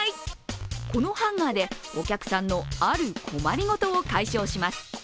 このハンガーでお客さんの、ある困り事を解消します。